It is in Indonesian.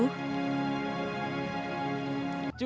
waduh enggak sampai ke situ